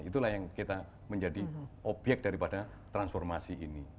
itulah yang kita menjadi obyek daripada transformasi ini